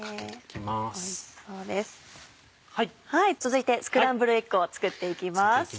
続いてスクランブルエッグを作っていきます。